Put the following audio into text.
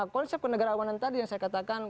konsep kenegarawanan tadi yang saya katakan